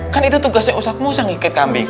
kan itu tugasnya ustadz musa yang ngikut kambing